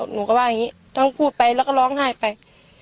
หนูก็ว่าอย่างนี้ทั้งพูดไปแล้วก็ร้องไห้ไป